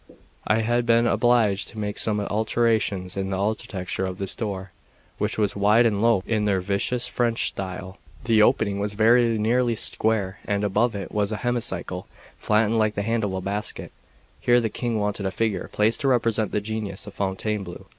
I had been obliged to make some alterations in the architecture of this door, which was wide and low, in their vicious French style. The opening was very nearly square, and above it was a hemicycle, flattened like the handle of a basket; here the King wanted a figure placed to represent the genius of Fontainebleau.